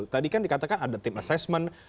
tadi kan dikatakan ada tim assessment